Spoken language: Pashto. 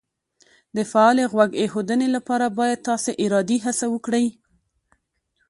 د فعالې غوږ ایښودنې لپاره باید تاسې ارادي هڅه وکړئ